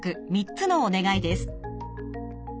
３つのお願いです。